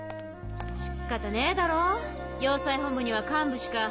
仕方ねえだろ要塞本部には幹部しか。